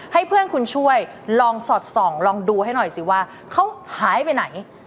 ให้เพื่อนคุณช่วยลองสอดส่องลองดูให้หน่อยสิว่าเขาหายไปไหน